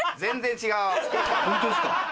ホントですか？